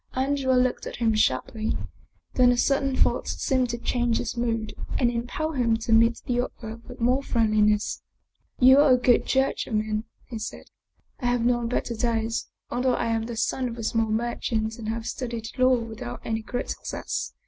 Andrea looked at him sharply, then a sudden thought seemed to change his mood and impel him to meet the other with more friendliness. " You are a good judge of men," he said. " I have known better days, although I am the son of a small merchant and have studied law with out any great success.